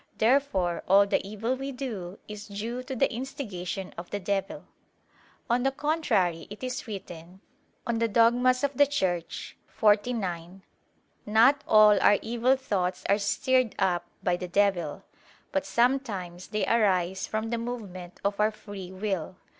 Therefore all the evil we do, is due to the instigation of the devil. On the contrary, It is written (De Eccl. Dogmat. xlix): "Not all our evil thoughts are stirred up by the devil, but sometimes they arise from the movement of our free will."